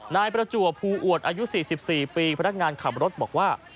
นายประจวบภูอวดอายุ๔๔ปีพนักงานขับรถบอกว่า